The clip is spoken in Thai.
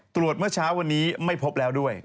เมื่อเช้าวันนี้ไม่พบแล้วด้วย